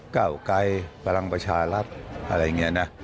เก้าไกรพลังประชารัฐอะไรอย่างนี้นะ